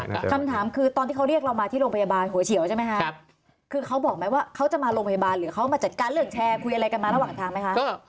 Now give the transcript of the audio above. คำถามคือตอนที่เขาเรียกเรามาที่โรงพยาบาลหัวเฉียวใช่ไหมคะครับคือเขาบอกไหมว่าเขาจะมาโรงพยาบาลหรือเขามาจัดการเรื่องแชร์คุยอะไรกันมาระหว่างทางไหมคะ